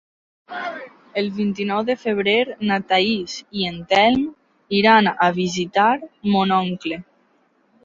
El vint-i-nou de febrer na Thaís i en Telm iran a visitar mon oncle.